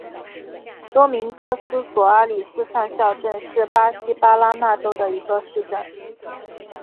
多明戈斯索阿里斯上校镇是巴西巴拉那州的一个市镇。